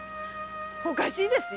おかしいですよ。